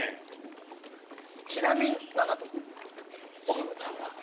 ちなみに何だと思う信五ちゃんは。